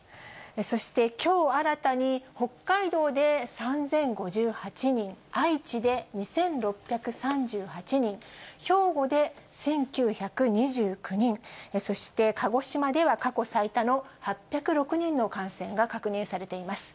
そして、きょう新たに北海道で３０５８人、愛知で２６３８人、兵庫で１９２９人、そして鹿児島では過去最多の８０６人の感染が確認されています。